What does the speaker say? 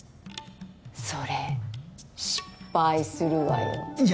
それ失敗するわよいや